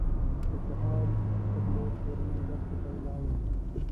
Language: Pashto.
د سهیل پر لور کورنۍ برخې ته لاړو.